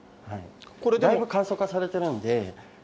だいぶ簡素化されてるんで。